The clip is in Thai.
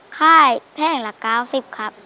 ภาพแผงละ๙๐ครับ